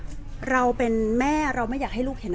แต่ว่าสามีด้วยคือเราอยู่บ้านเดิมแต่ว่าสามีด้วยคือเราอยู่บ้านเดิม